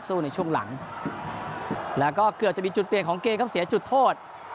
สู้ในช่วงหลังแล้วก็เกือบจะมีจุดเปลี่ยนของเกมครับเสียจุดโทษ